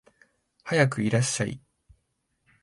はやくいらっしゃい